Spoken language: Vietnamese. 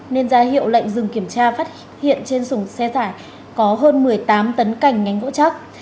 nên ra hiệu lệnh dừng kiểm tra phát hiện trên sùng xe tải có hơn một mươi tám tấn cảnh ngánh gỗ chắc